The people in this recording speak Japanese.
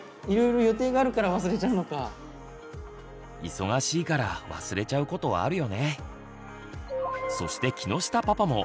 忙しいから忘れちゃうことあるよね。